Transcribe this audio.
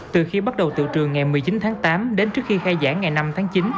từ khi bắt đầu từ trường ngày một mươi chín tháng tám đến trước khi khai giảng ngày năm tháng chín